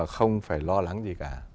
không phải lo lắng gì cả